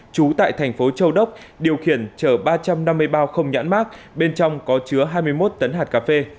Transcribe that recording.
trú tại thành phố châu đốc điều khiển chở ba trăm năm mươi bao không nhãn mát bên trong có chứa hai mươi một tấn hạt cà phê